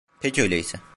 Peki öyleyse.